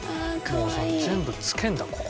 もう全部つけんだここで。